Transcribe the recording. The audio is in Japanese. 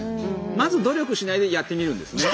まず努力しないでやってみるんですね。